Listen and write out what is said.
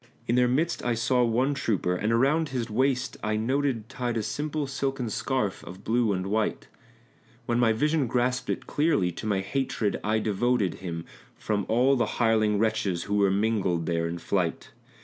In their midst I saw one trooper, and around his waist I noted Tied a simple silken scarf of blue and white; When my vision grasped it clearly to my hatred I devoted Him, from all the hireling wretches who were mingled there in flight.